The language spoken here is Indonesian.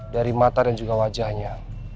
dari mata dan juga wajahnya